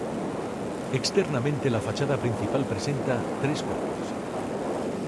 Externamente la fachada principal presenta tres cuerpos.